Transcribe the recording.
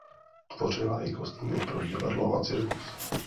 Tvořila i kostýmy pro divadlo a cirkus.